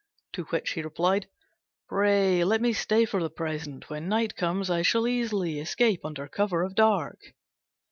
To which he replied, "Pray let me stay for the present. When night comes I shall easily escape under cover of the dark."